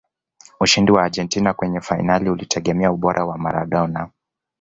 ushindi wa argentina kwenye fainali ulitegemea ubora wa maradona